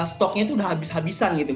stoknya itu udah habis habisan gitu